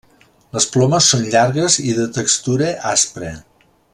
Les plomes són llargues i de textura aspra.